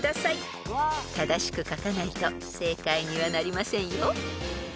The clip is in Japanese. ［正しく書かないと正解にはなりませんよ］